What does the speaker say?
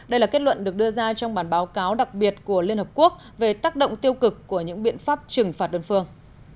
đây là kết luận được đưa ra trong bản báo cáo đặc biệt của liên hợp quốc về tác động tiêu cực của những biện pháp trừng phạt đơn phương